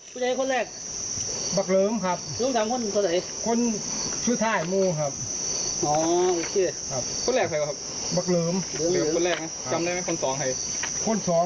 เหลือกันบนแรกนะจำได้ไหมคน๒ไหน